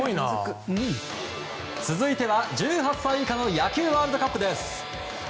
続いては、１８歳以下の野球ワールドカップです。